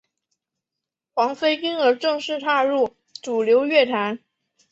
黄妃因而正式踏入主流乐坛。